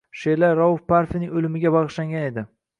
She’rlar Rauf Parfining o’limiga bag’ishlangan edi.